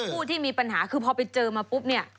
ผู้ที่มีปัญหาคือพอไปเจอมาปุ๊บเนี่ย